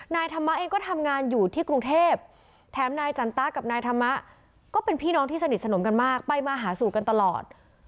นายธรรมะเองก็ทำงานอยู่ที่กรุงเทพแถมนายจันตะกับนายธรรมะก็เป็นพี่น้องที่สนิทสนมกันมากไปมาหาสู่กันตลอด